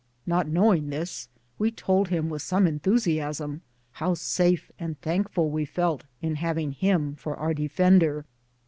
Not knowing this, we told him, with some en thusiasm, how safe and thankful we felt in having him for our defender.